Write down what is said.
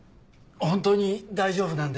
本当に大丈夫なんで。